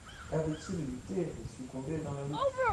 Avait-il lutté et succombé dans la lutte